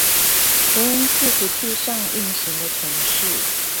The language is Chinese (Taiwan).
跟伺服器上運行的程式